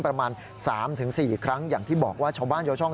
ประมาณ๓๔ครั้งอย่างที่บอกว่าชาวบ้านชาวช่อง